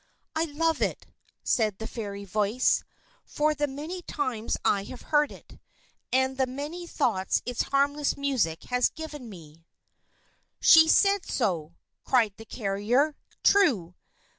"'I love it'," said the fairy voice, "'for the many times I have heard it, and the many thoughts its harmless music has given me'." "She said so!" cried the carrier. "True!"